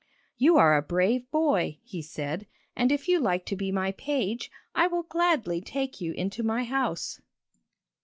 'You are a brave boy,' he said, 'and if you like to be my page, I will gladly take you into my house.'